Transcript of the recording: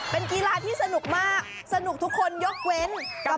เป็นกีฬาที่สนุกมากสนุกทุกคนยกเว้น